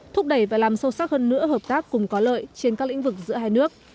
thúc đẩy và làm sâu sắc hơn nữa hợp tác cùng có lợi trên các lĩnh vực giữa hai nước